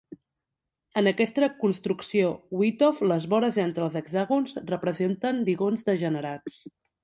En aquesta construcció wythoff les vores entre els hexàgons representen digons degenerats.